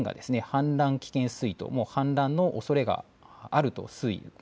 氾濫危険水位と氾濫のおそれがあるという水位です。